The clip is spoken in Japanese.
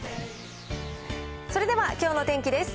それではきょうの天気です。